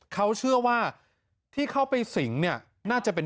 เขาเชื่อว่าที่เข้าไปสิงเนี่ยน่าจะเป็น